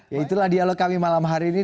ya itulah dialog kami malam hari ini